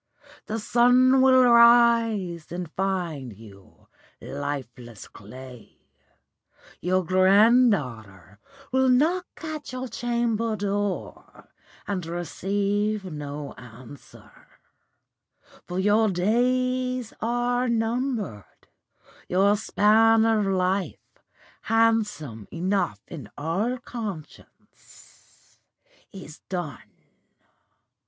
The sun will rise and find you lifeless clay; your granddaughter will knock at your chamber door and receive no answer; for your days are numbered, your span of life, handsome enough in all conscience, is done.